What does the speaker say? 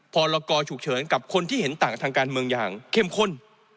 พรกรฉุกเฉินกับคนที่เห็นต่างทางการเมืองอย่างเข้มข้น